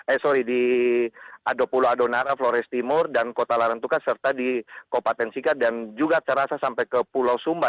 eh sorry di ada pulau adonara flores timur dan kota larantuka serta di kabupaten sikat dan juga terasa sampai ke pulau sumba